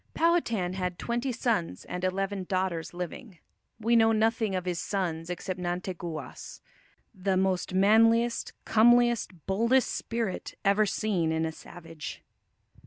Powhatan had twenty sons and eleven daughters living. We know nothing of his sons except Nanteguas, "the most manliest, comliest, boldest spirit" ever seen in "a savage."